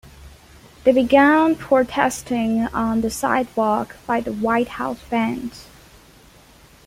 They began protesting on the sidewalk by the White House fence.